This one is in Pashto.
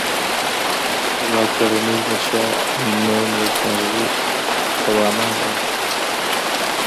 زما کورنۍ نشته نو نېکمرغي څه مانا لري